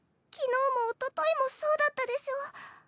昨日もおとといもそうだったでしょ？